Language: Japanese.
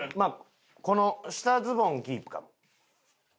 この下ズボンキープかも。